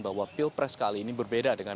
bahwa pilpres kali ini berbeda dengan